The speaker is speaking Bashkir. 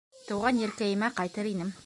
Тыуған еркәйемә ҡайтыр инем